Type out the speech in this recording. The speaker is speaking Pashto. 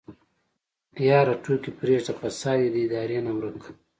يره ټوکې پرېده فساد دې د ادارې نه ورک که.